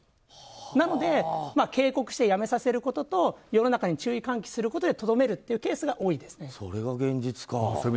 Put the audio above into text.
なので、警告してやめさせることと世の中に注意喚起することにとどめるというケースが多いですね。